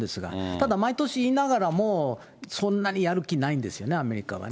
ただ毎年言いながらも、そんなにやる気ないんですよね、アメリカはね。